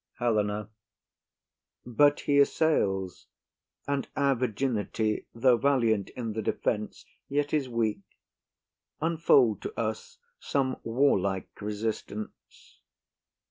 HELENA. But he assails; and our virginity, though valiant, in the defence, yet is weak. Unfold to us some warlike resistance.